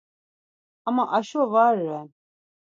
Ama aşo va ren.